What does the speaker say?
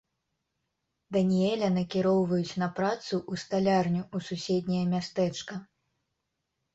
Даніэля накіроўваюць на працу ў сталярню ў суседняе мястэчка.